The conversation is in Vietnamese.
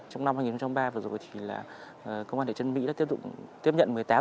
trong năm hai nghìn ba vừa rồi thì là công an thị trấn mỹ đã tiếp nhận một mươi tám tin báo cho giác tội tội phạm